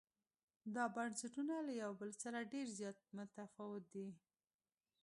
دا بنسټونه له یو بل سره ډېر زیات متفاوت دي.